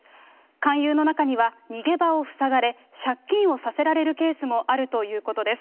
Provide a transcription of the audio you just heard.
勧誘の中には、逃げ場を塞がれ、借金をさせられるケースもあるということです。